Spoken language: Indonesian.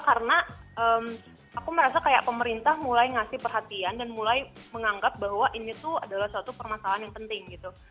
karena aku merasa kayak pemerintah mulai ngasih perhatian dan mulai menganggap bahwa ini tuh adalah suatu permasalahan yang penting gitu